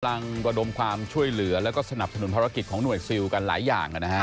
ระดมความช่วยเหลือแล้วก็สนับสนุนภารกิจของหน่วยซิลกันหลายอย่าง